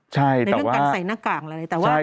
ใช่แต่ว่าในเรื่องการใส่หน้ากากอะไร